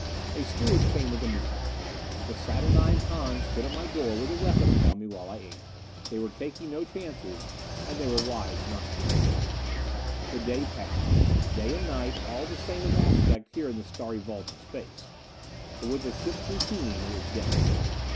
A steward came with a meal. The saturnine Hahn stood at my door with a weapon upon me while I ate. They were taking no chances and they were wise not to. The day passed. Day and night, all the same of aspect here in the starry vault of Space. But with the ship's routine it was day.